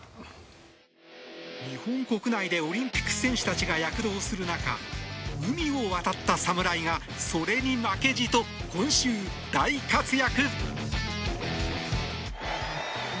日本国内でオリンピック選手たちが躍動する中海を渡った侍がそれに負けじと今週、大活躍！